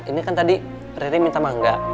ini kan tadi riri minta mangga